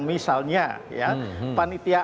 misalnya ya panitia